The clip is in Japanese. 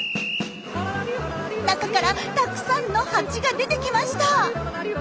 中からたくさんのハチが出てきました。